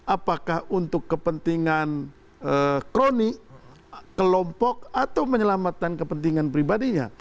apakah untuk kepentingan kroni kelompok atau menyelamatkan kepentingan pribadinya